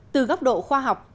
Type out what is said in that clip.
từ góc độ khoa học